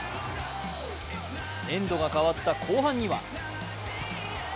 エンドが変わった後半には。